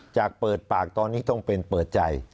จากเปิดปากตอนนี้ต้องเป็นเปิดใจ